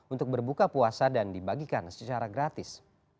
untuk berbuka puasa dan dibagikan secara gratis